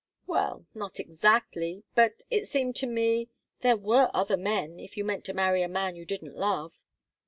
"Well not exactly. But it seemed to me there were other men, if you meant to marry a man you didn't love."